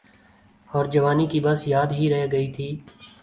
اورجوانی کی بس یاد ہی رہ گئی تھی۔